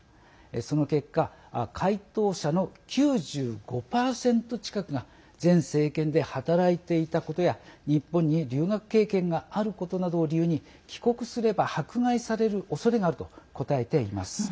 その結果、回答者の９５％近くが前政権で働いていたことや日本に留学経験があることなどを理由に帰国すれば迫害されるおそれがあると答えています。